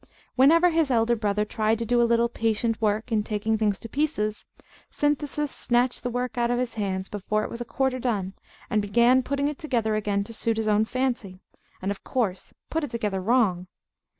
Whenever his elder brother tried to do a little patient work in taking things to pieces, Synthesis snatched the work out of his hands before it was a quarter done, and began putting it together again to suit his own fancy, and, of course, put it together wrong.